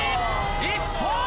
一本！